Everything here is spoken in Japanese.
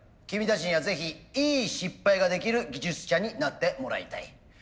君たちにはぜひいい失敗ができる技術者になってもらいたい。